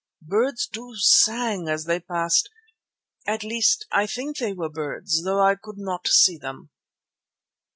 Birds too sang as they passed, at least I think they were birds though I could not see them."